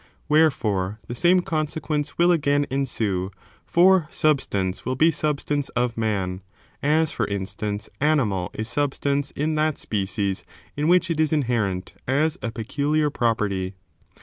Wherefore, the same conse quence will again ensue, for substance will be substance of man 0 as, for instance, animal is substance in that species in which it is inherent as a peculiar property.